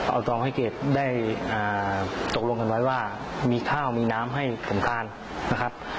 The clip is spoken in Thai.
เอาตรงห้อยเกดได้อ่าตกลงกันไว้ว่ามีข้าวมีน้ำให้ผมทานนะครับ